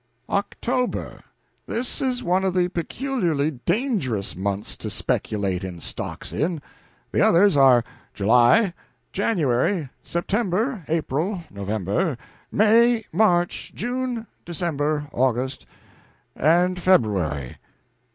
October. This is one of the peculiarly dangerous months to speculate in stocks in. The others are July, January, September, April, November, May, March, June, December, August, and February.